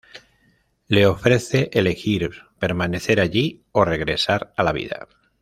Le ofrece elegir: permanecer allí o regresar a la vida.